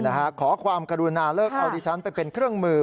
ขอความกรุณาเลิกเอาดิฉันไปเป็นเครื่องมือ